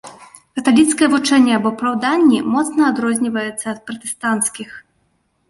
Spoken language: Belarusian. Каталіцкае вучэнне аб апраўданні моцна адрозніваецца ад пратэстанцкіх.